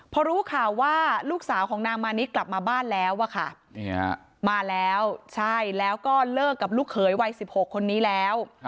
พอรู้ข่าวว่าลูกสาวของนางมานิดกลับมาบ้านแล้วอะค่ะมาแล้วใช่แล้วก็เลิกกับลูกเขยวัย๑๖คนนี้แล้ว